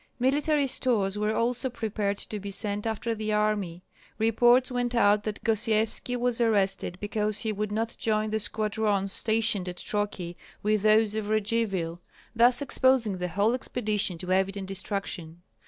Military stores were also prepared to be sent after the army. Reports went out that Gosyevski was arrested because he would not join his squadrons stationed at Troki with those of Radzivill, thus exposing the whole expedition to evident destruction.